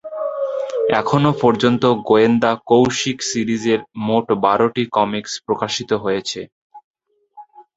এখনও পর্যন্ত গোয়েন্দা কৌশিক সিরিজের মোট বারোটি কমিক্স প্রকাশিত হয়েছে।